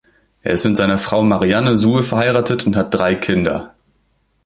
Er ist mit seiner Frau Marianne Sue verheiratet und hat drei Kinder.